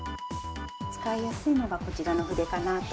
使いやすいのがこちらの筆かなと。